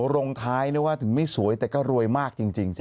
ลงท้ายเรียกว่าถึงไม่สวยแต่ก็รวยมากจริง